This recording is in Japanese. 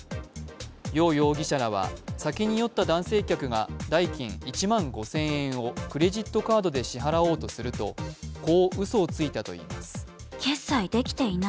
楊容疑者らは酒に酔った男性客らが代金１万５０００円をクレジットカードで支払おうとするとこう、うそをついたといいます。